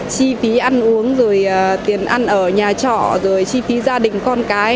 chi phí ăn uống rồi tiền ăn ở nhà trọ rồi chi phí gia đình con cái